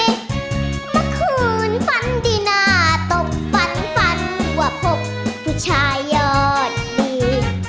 เมื่อคืนฝันดีน่าตกฝันฝันว่าพบผู้ชายยอดดี